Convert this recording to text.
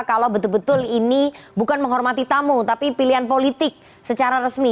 kalau betul betul ini bukan menghormati tamu tapi pilihan politik secara resmi